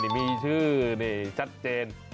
มีชื่อนี่ชัดเจน